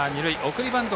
送りバント